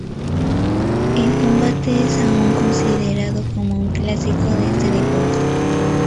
El combate es aún considerado como un clásico de este deporte.